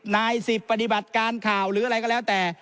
นายสิบปฏิบัติการข่าวหรืออะไรก็แล้วแต่